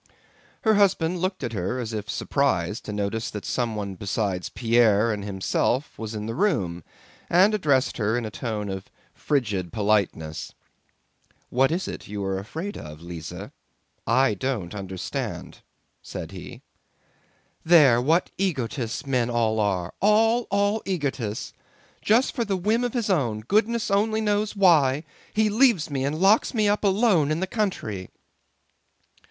Her husband looked at her as if surprised to notice that someone besides Pierre and himself was in the room, and addressed her in a tone of frigid politeness. "What is it you are afraid of, Lise? I don't understand," said he. "There, what egotists men all are: all, all egotists! Just for a whim of his own, goodness only knows why, he leaves me and locks me up alone in the country."